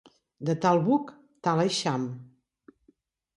De tal buc, tal eixam.